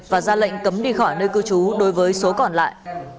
và ra lệnh cấm đi khỏi nơi cư trú đối với số còn lại